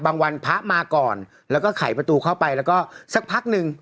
วันพระมาก่อนแล้วก็ไขประตูเข้าไปแล้วก็สักพักหนึ่ง